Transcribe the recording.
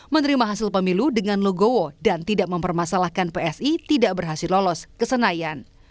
menerima hasil pemilu dengan logowo dan tidak mempermasalahkan psi tidak berhasil lolos ke senayan